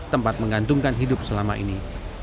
tempat menggantungkan hidup selama ini